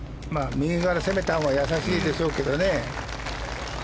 右から攻めたほうが易しいでしょうけどね。